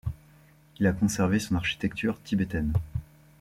Il a conservé son architecture tibétaine.